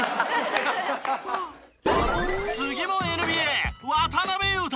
次もＮＢＡ渡邊雄太！